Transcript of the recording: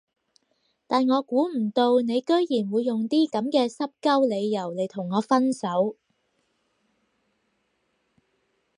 但我估唔到你居然會用啲噉嘅濕鳩理由嚟同我分手